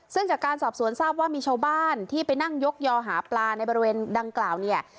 ซึ่งจากการสอบสวนทราบว่ามีชาวบ้านที่ไปนั่งยกยอหาปลาในบริเวณดังกล่าวเนี่ย